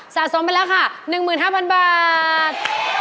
สะสมไปแล้วค่ะ๑๕๐๐๐บาท